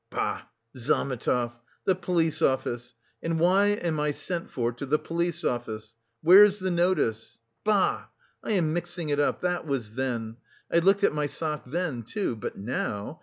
"Bah, Zametov! The police office! And why am I sent for to the police office? Where's the notice? Bah! I am mixing it up; that was then. I looked at my sock then, too, but now...